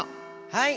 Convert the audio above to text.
はい！